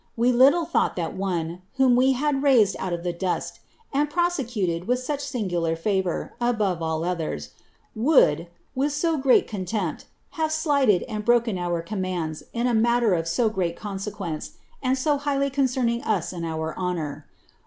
We little that one, whom we had raised out of the dust, and prosecuted with such fiiTour, above all others, would, with so great contempt, have slighted :en our commands in a matter of so great consequence, and so highly Of us and our honour.